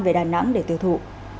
về đài nẵng để tiêu thụ